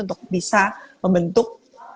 untuk bisa membentuk